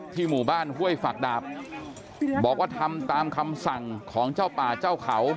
หมู่บ้านห้วยฝักดาบบอกว่าทำตามคำสั่งของเจ้าป่าเจ้าเขา